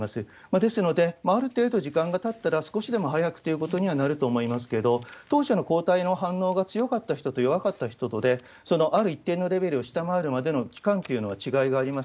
ですので、ある程度時間がたったら少しでも早くということにはなると思いますけれども、当初の抗体の反応が強かった人と弱かった人とで、ある一定のレベルを下回るまでの期間っていうのは違いがあります。